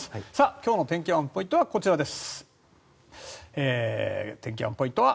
今日の天気予報のポイントはこちらです。